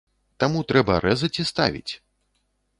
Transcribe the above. Таму трэба рэзаць і ставіць.